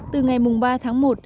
từ ngày ba tháng một